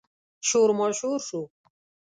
شور ماشور شو.